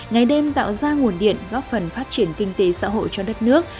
ngày đêm tạo ra nguồn điện góp phần phát triển kinh tế xã hội cho đất nước